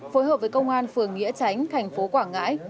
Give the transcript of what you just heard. phối hợp với công an phường nghĩa chánh tp quảng ngãi